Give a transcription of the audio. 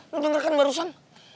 lo denger kan barusan